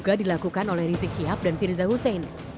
duga dilakukan oleh rizik syihab dan firza husein